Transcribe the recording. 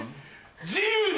自由だ！